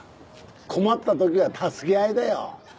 困った時は助け合いだよ。